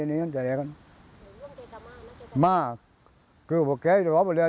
เอาผมใกล้ที่ลำบาก